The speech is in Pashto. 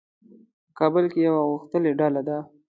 په کابل کې یوه غښتلې ډله ده.